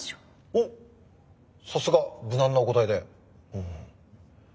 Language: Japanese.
おっさすが無難なお答えで。